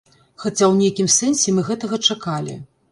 Хаця ў нейкім сэнсе мы гэтага чакалі.